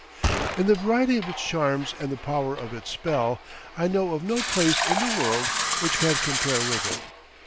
In the variety of its charms and the power of its spell, I know of no place in the world which can compare with it.